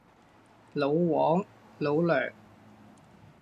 老黃，老梁